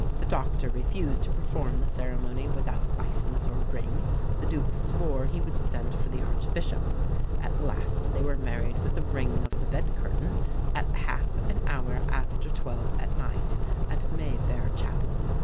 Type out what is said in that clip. The doctor refused to perform the ceremony without licence or ring the Duke swore he would send for the Archbishop. At last they were married with the ring of the bed curtain, at half an hour after twelve at night, at Mayfair Chapel.